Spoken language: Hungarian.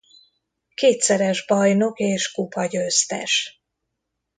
Kétszeres bajnok és kupagyőztes.